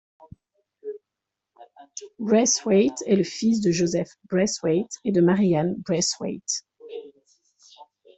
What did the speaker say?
Braithwaite est le fils de Joseph Braithwaite et de Mary Ann Braithwaite.